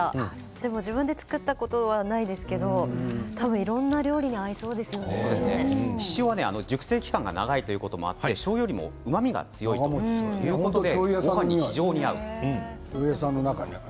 でも自分で造ったことはないですけど多分いろんな料理にひしおは熟成期間が長いということでしょうゆよりもうまみが強いってことでごはんに非常に合います。